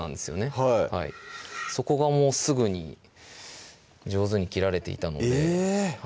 はいそこがすぐに上手に切られていたのでえぇっ